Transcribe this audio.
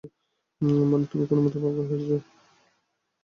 মানে, তুমি কোনমতে আমাকে হারিয়েছ।